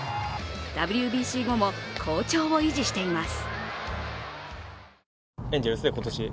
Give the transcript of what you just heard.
ＷＢＣ後も好調を維持しています。